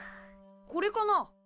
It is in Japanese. これかな？